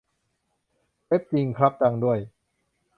เว็บจริงครับ ดังด้วย